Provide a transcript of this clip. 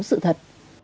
nếu sự thật